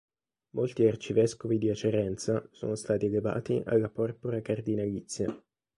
Molti arcivescovi di Acerenza sono stati elevati alla porpora cardinalizia.